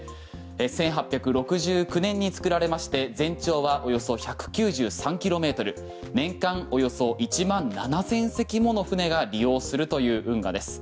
１８６９年に作られまして全長はおよそ１９３ｋｍ年間およそ１万７０００隻もの船が利用するという運河です。